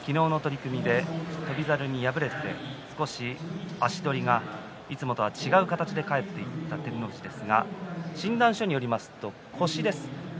昨日の取組で翔猿に敗れて少し足取りが、いつもとは違う形で帰っていった照ノ富士ですが診断書によりますと腰です。